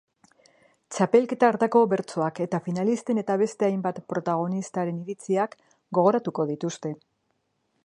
Txapelketa hartako bertsoak eta finalisten eta beste hainbat protagonistaren iritziak gogoratuko dituzte.